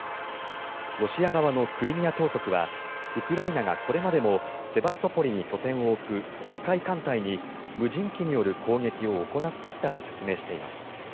ロシア側のクリミア当局はウクライナがこれまでもセバストポリに拠点を置く黒海艦隊に無人機による攻撃を行ってきたと説明しています。